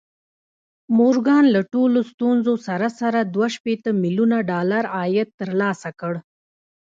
مورګان له ټولو ستونزو سره سره دوه شپېته ميليونه ډالر عايد ترلاسه کړ.